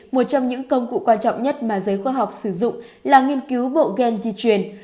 một trong những công cụ quan trọng nhất mà giới khoa học sử dụng là nghiên cứu bộ gen di truyền